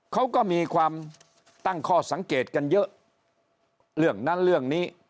เขาก็มีความตั้งข้อสังเกตกันเยอะเรื่องนั้นเรื่องนี้